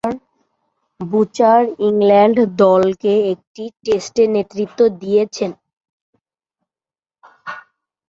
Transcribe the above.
Butcher England দলকে একটি টেস্টে নেতৃত্ব দিয়েছেন।